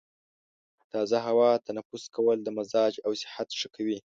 تازه هوا تنفس کول د مزاج او صحت ښه کوي.